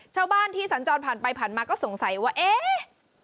ชาวบ้านที่สัญจรผ่านไปผ่านมาก็สงสัยว่าเอ๊ะ